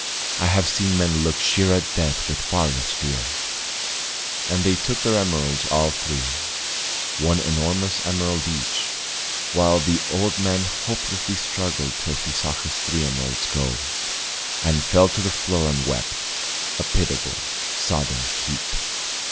I have seen men look sheer at Death with far less fear. And they took their emerald all three, one enormous emerald each, while the old man hopelessly struggled till he saw his three emeralds go, and fell to the floor and wept, a pitiable, sodden heap.